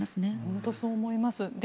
本当にそう思います。